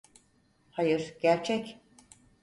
Hayır, gerçek.